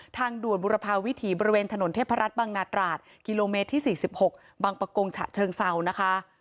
ทางด่วนบุรพาวิถีบริเวณถนนเทพรัฐบังนาตราดกิโลเมตรที่๔๖บังปะกงฉะเชิงเซานะคะ